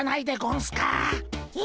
え？